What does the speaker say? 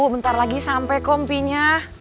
bentar lagi sampai kompinya